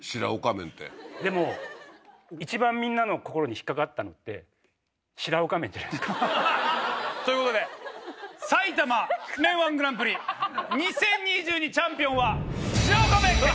でもいちばんみんなの心に引っ掛かったのってシラオカ麺じゃないですか？という事で埼玉麺−１グランプリ２０２２チャンピオンは。